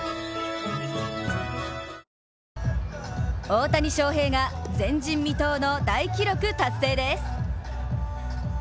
大谷翔平が前人未到の大記録達成です。